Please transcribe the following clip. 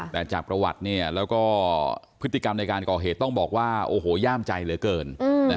แต่จากประวัติแล้วก็พฤติกรรมในการก่อเหตุต้องบอกว่าโอ้โหย่ามใจเหลือเกิน